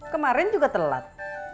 kemarin juga telat